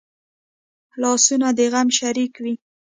لاسونه د غم شریک وي